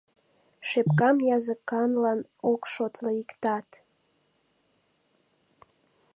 Шепкам языканлан ок шотло иктат